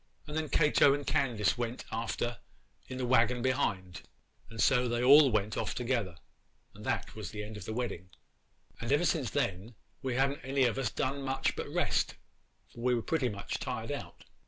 'And then Cato and Candace went after in the waggon behind, and so they all went off together, and that was the end of the wedding. And ever since then we ha'n't any of us done much but rest, for we were pretty much tired out.